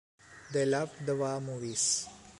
They loved the war movies.